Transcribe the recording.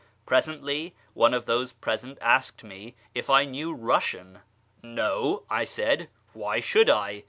Presently one of those present asked me if I knew IJussian. " No," I said, " why should I